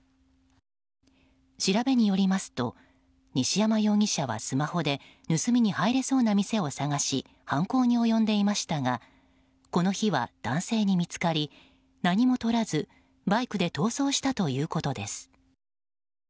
調べによりますと西山容疑者はスマホで盗みに入れそうな店を探し犯行に及んでいましたがこの日は、男性に見つかり何も取らずバイクで逃走したということです。